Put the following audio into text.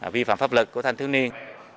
vi phạm pháp lực của thanh thiếu niên